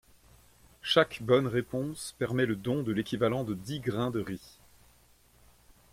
Chaque bonne réponse permet le don de l'équivalent de dix grains de riz.